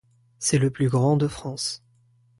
C’est le plus grand de France.